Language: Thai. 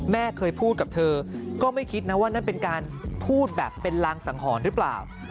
แม่เคยพูดกับเธอก็ไม่คิดนะว่านั่นเป็นการพูดแบบเป็นรางสังหรณ์หรือเปล่า